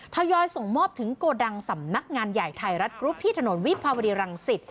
ทยอยส่งมอบถึงโกดังสำนักงานใหญ่ไทยรัฐกรุ๊ปที่ถนนวิภาวดีรังสิต